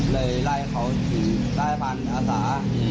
เลยไล่เขาถึงใต้ห้านอาศา